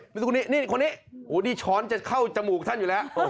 นี่คนนี้นี่คนนี้โหนี่ช้อนจะเข้าจมูกท่านอยู่แล้ว